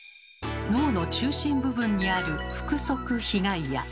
脳の中心部分にある腹側被蓋野。